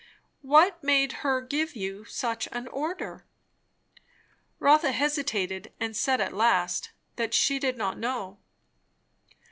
"What made her give you such an order?" Rotha hesitated, and said at last she did not know.